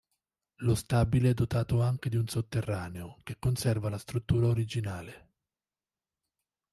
Lo stabile è dotato anche di un sotterraneo, che conserva la struttura originale.